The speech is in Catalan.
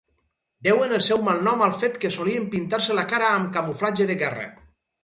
Deuen el seu malnom al fet que solien pintar-se la cara amb camuflatge de guerra.